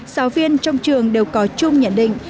giáo viên trong trường đều có chung nhận định